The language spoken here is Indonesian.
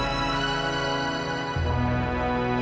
kamu masih baru cutter